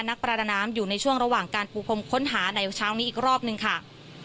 นักประดาน้ำอยู่ในช่วงระหว่างการปูพรมค้นหาในเช้านี้อีกรอบหนึ่งค่ะ